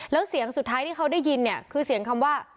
แล้วเสียงสุดท้ายที่เขาได้ยินเนี่ยคือเสียงคำว่า